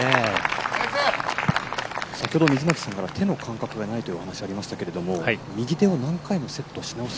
先ほど水巻さんから手の感覚がないというお話がありましたけど右手を何回もセットしなおす